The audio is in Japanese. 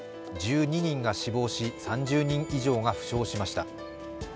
１２人が死亡し、３０人以上が負傷しました。